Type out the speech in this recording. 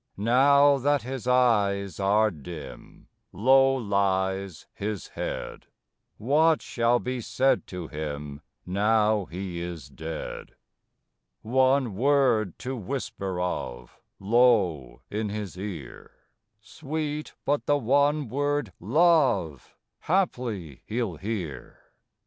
Now that his eyes are dim, Low lies his head? What shall be said to him, Now he is dead? One word to whisper of Low in his ear; Sweet, but the one word "love" Haply he'll hear.